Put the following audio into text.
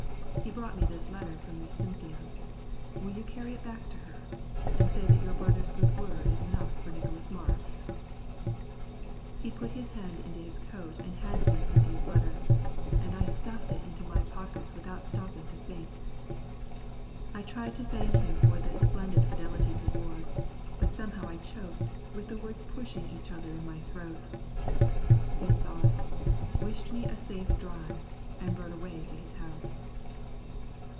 "He brought me this letter from Miss Cynthia. Will you carry it back to her, and say that your brother's word is good enough for Nicholas Marsh?" He put his hand into his coat and handed me Cynthia's letter; and I stuffed it into my pockets without stopping to think. I tried to thank him for this splendid fidelity to Ward, but somehow I choked with the words pushing each other in my throat. He saw it, wished me a safe drive, and rode away to his house.